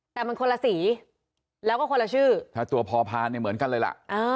แต่มันคนละสีแล้วก็คนละชื่อถ้าตัวพอพานเนี่ยเหมือนกันเลยล่ะ